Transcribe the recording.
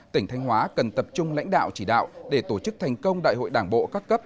tỉnh thanh hóa cần tập trung lãnh đạo chỉ đạo để tổ chức thành công đại hội đảng bộ các cấp